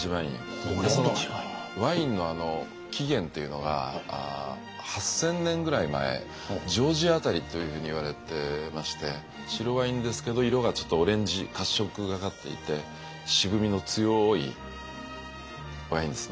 ワインの起源っていうのが８，０００年ぐらい前ジョージア辺りというふうにいわれてまして白ワインですけど色がちょっとオレンジ褐色がかっていて渋味の強いワインです。